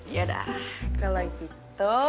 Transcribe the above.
yaudah kalau gitu